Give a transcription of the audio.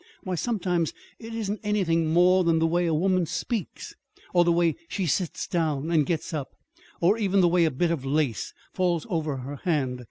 Why, sometimes it isn't anything more than the way a woman speaks, or the way she sits down and gets up, or even the way a bit of lace falls over her hand.